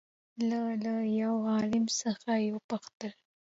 له له يوه عالم څخه يې وپوښتل